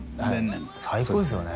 んて最高ですよね